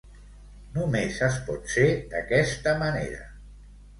Només es pot ser d'aquesta manera.